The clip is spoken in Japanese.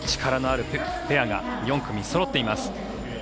力のあるペアが４組そろっています。